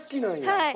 はい。